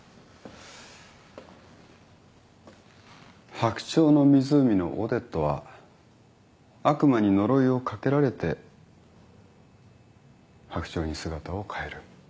『白鳥の湖』のオデットは悪魔に呪いをかけられて白鳥に姿を変える。